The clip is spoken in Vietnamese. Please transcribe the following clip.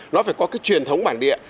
nó phải có cái truyền thống bản địa